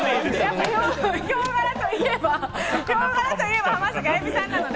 ヒョウ柄といえばヒョウ柄といえば浜崎あゆみさんなんで。